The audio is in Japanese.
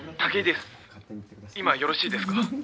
今よろしいですか？